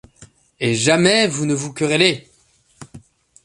Et jamais vous ne vous querellez !